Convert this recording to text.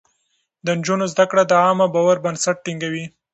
د نجونو زده کړه د عامه باور بنسټ ټينګوي.